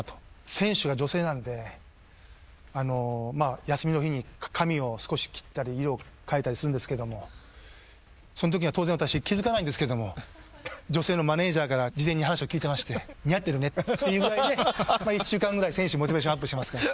選手が女性なんで休みの日に髪を少し切ったり色を変えたりするんですけどもそのときには当然私気付かないんですけども女性のマネジャーから事前に話を聞いてまして「似合ってるね」っていう具合で１週間ぐらい選手モチベーションアップしますから。